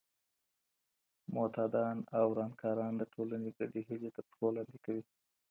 معتادان او ورانکاران د ټولنې ګډې هیلې تر پښو لاندې کوي.